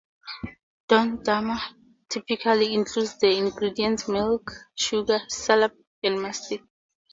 Dondurma typically includes the ingredients milk, sugar, salep, and mastic.